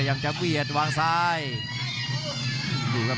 ยังไงยังไง